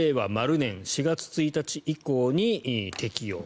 ○年４月１日以降に適用